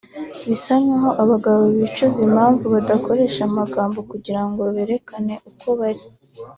Bisa nkaho abagabo bicuza impamvu badakoresha amagambo kugira ngo berekane uko bari